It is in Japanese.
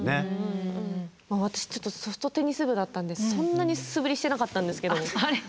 私ちょっとソフトテニス部だったんでそんなに素振りしてなかったんですけど。